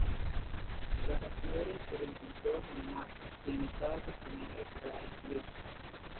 Tras bastidores, se reencontró con Matt quien estaba acompañado de Bray Wyatt.